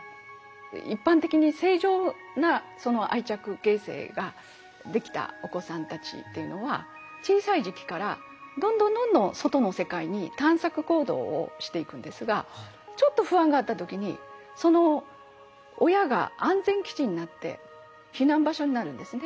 一般的に正常な愛着形成ができたお子さんたちっていうのは小さい時期からどんどんどんどん外の世界に探索行動をしていくんですがちょっと不安があった時にその親が安全基地になって避難場所になるんですね。